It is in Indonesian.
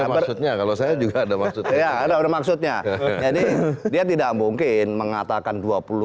maksudnya kalau saya juga ada maksudnya ada maksudnya jadi dia tidak mungkin mengatakan